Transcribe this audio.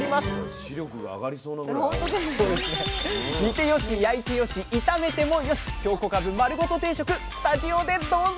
煮てよし焼いてよし炒めてもよし「京こかぶ丸ごと定食」スタジオでどうぞ！